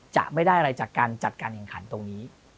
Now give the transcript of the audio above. จะไม่ได้อะไรจากการจัดการแข่งขันตรงนี้